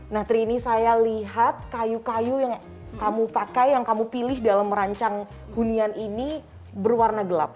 nah tri ini saya lihat kayu kayu yang kamu pakai yang kamu pilih dalam merancang hunian ini berwarna gelap